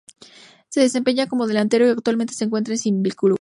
Se desempeña como delantero y actualmente se encuentra sin club.